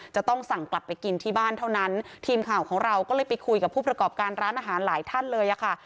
จะต้องสั่งกลับไปกินที่บ้านเท่านั้นทีมข่าวของเราก็เลยไปคุยกับผู้ประกอบการร้านอาหารหลายท่านเลยอะค่ะ